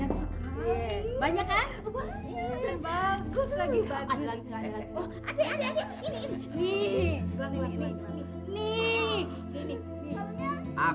jawab tangan jawab tangan